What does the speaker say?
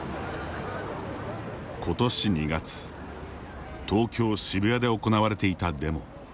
今年２月東京・渋谷で行われていたデモ。